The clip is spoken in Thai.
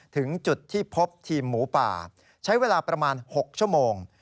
ถึงจุดที่พบทีมหมูป่าใช้เวลาประมาณ๖ชั่วโมง